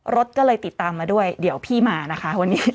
รถก็เลยติดตามมาด้วยเดี๋ยวพี่มานะคะวันนี้